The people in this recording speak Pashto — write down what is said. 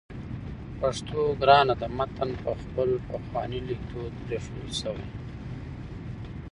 د پښتو ګرانه ده متن په خپل پخواني لیکدود پرېښودل شوی